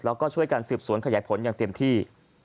แล้วก็ช่วยกันสืบสวนขยายผลอย่างเต็มที่